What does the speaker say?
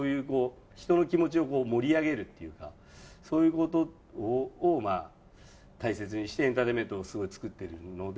人の気持ちを盛り上げるというかそういうことを大切にしてエンターテインメントをすごい作っているので。